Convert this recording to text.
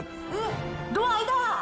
ドア開いた！